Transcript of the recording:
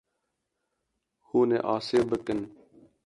Hûn ê asê bikin.